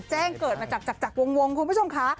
แจ้งเกิดมาจากวงคุณผู้ชมค่ะ